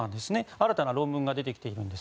新たな論文が出てきているんです。